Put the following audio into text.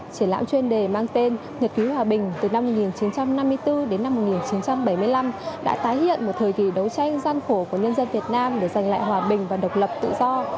triển lãm chuyên đề mang tên nhật ký hòa bình từ năm một nghìn chín trăm năm mươi bốn đến năm một nghìn chín trăm bảy mươi năm đã tái hiện một thời kỳ đấu tranh gian khổ của nhân dân việt nam để giành lại hòa bình và độc lập tự do